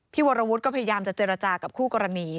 วรวุฒิก็พยายามจะเจรจากับคู่กรณี